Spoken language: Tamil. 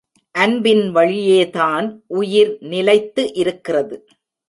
அன்பின் வழியேதான் உயிர் நிலைத்து இருக்கிறது.